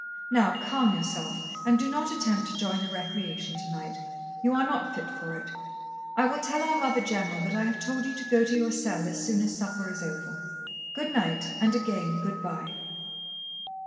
"Now calm yourself, and do not attempt to join the recreation tonight. You are not fit for it. I will tell our Mother General that I have told you to go to your cell as soon as supper is over. Good night, and again good bye."